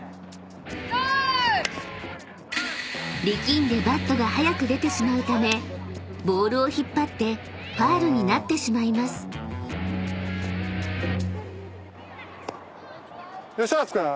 ［力んでバットが早く出てしまうためボールを引っ張ってファウルになってしまいます］